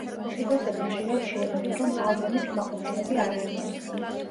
მუსიკოსები ხშირად ჩიოდნენ, რომ ალბომით კმაყოფილები არ არიან.